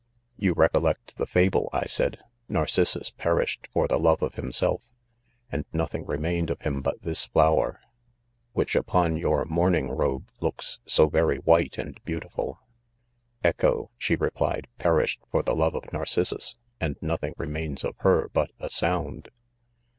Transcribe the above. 55 You rec ollect the fable, I said, Narcissus perished for the love of himself, and nothing remained of him but this flower ; which, upon your mour ning robe looks so very white, and beautiful. "Echo," she replied, "perished for the love of Narcissus, and nothing remains of her but a sound."